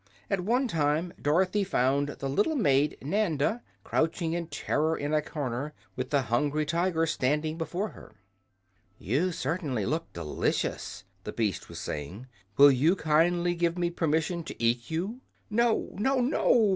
At one time Dorothy found the little maid Nanda crouching in terror in a corner, with the Hungry Tiger standing before her. "You certainly look delicious," the beast was saying. "Will you kindly give me permission to eat you?" "No, no, no!"